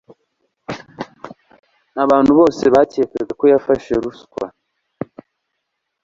Abantu bose bakekaga ko yafashe ruswa.